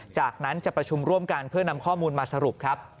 จากนั้นจะประชุมร่วมกันเพื่อนำข้อมูลมาสรุปครับ